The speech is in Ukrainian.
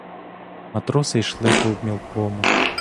Матроси йшли по мілкому.